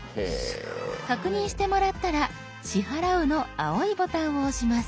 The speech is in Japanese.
確認してもらったら「支払う」の青いボタンを押します。